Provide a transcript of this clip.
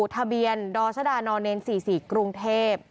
ทะเบียนดรชดาน๔๔กรุงเทพ